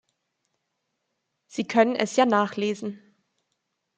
Sie können es ja nachlesen.